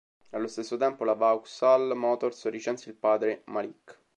Allo stesso tempo, la Vauxhall Motors licenzia il padre Malik.